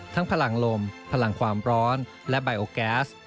พลังลมพลังความร้อนและไบโอแก๊ส